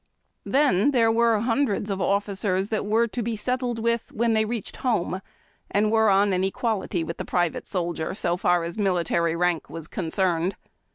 Then, there were liundreds of officers that were to be settled with when they reached home, and were on an equality with the private soldier so far as military rank was concerned.